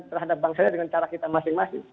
terhadap bangsanya dengan cara kita masing masing